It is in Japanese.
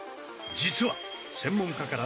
実は専門家から